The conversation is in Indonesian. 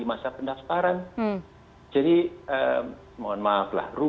tiga ratus lima puluh satu kasus yang hanya dalam tiga hari